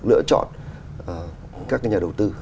lựa chọn các cái nhà đầu tư